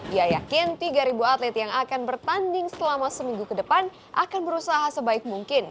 dia yakin tiga atlet yang akan bertanding selama seminggu ke depan akan berusaha sebaik mungkin